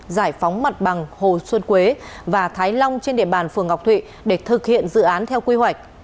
giải phóng mặt bằng hồ xuân quế và thái long trên địa bàn phường ngọc thụy để thực hiện dự án theo quy hoạch